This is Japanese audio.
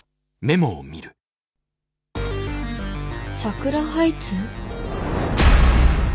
「サクラハイツ」？